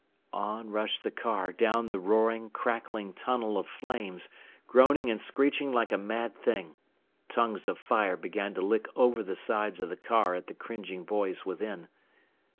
On rushed the car down the roaring, crackling tunnel of flames, groaning and screeching like a mad thing. Tongues of fire began to lick over the sides of the car at the cringing boys within.